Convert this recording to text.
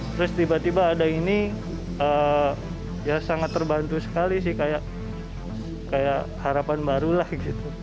terus tiba tiba ada ini ya sangat terbantu sekali sih kayak harapan baru lah gitu